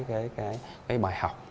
cái bài học